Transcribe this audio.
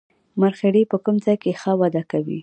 مرخیړي په کوم ځای کې ښه وده کوي